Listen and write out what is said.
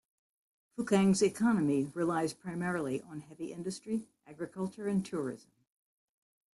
Fukang's economy relies primarily on heavy industry, agriculture and tourism.